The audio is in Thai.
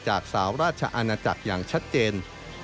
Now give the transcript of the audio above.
จากสาวราชอาณาจักรอย่างชัดเจน